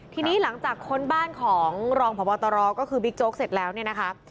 ทีนี้หลังจากค้นบ้านของรองพบตรก็คือบิ๊กโจ๊กเสร็จแล้วเนี่ยนะคะ